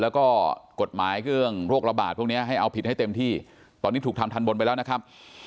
แล้วก็กฎหมายเรื่องโรคระบาดพวกนี้ให้เอาผิดให้เต็มที่ตอนนี้ถูกทำทันบนไปแล้วนะครับ